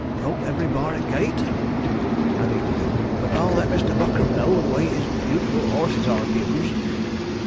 broke every bar i' the gate!' adding, 'but I'll let Mr. Buckram know the way his beautiful horses are 'bused.